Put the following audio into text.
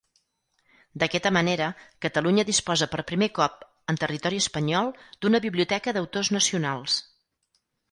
D'aquesta manera Catalunya disposa per primer cop en territori espanyol d'una biblioteca d'autors nacionals.